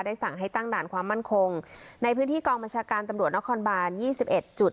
ได้สั่งให้ตั้งด่านความมั่นคงในพื้นที่กองประชาการตำรวจนครบานยี่สิบเอ็ดจุด